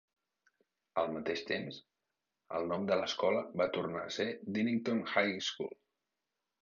Al mateix temps, el nom de l'escola va tornar a ser a Dinnington High School.